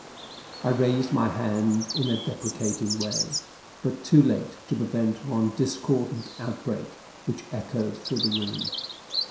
I raised my hand in a deprecating way, but too late to prevent one discordant outbreak which echoed through the room.